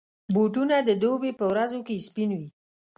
بوټونه د دوبي پر ورځو کې سپین وي.